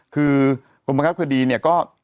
คือบังคับคดีก็